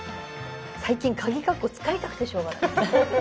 最近カギカッコ使いたくてしょうがない。